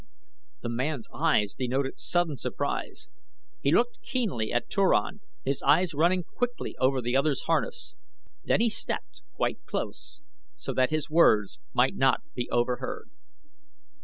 The man's eyes denoted sudden surprise. He looked keenly at Turan, his eyes running quickly over the other's harness. Then he stepped quite close so that his words might not be overheard.